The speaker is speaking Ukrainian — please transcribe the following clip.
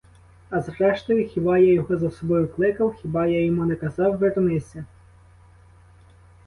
А зрештою, хіба я його за собою кликав, хіба я йому не казав: вернися?